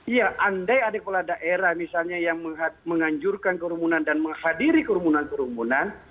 iya andai ada kepala daerah misalnya yang menganjurkan kerumunan dan menghadiri kerumunan kerumunan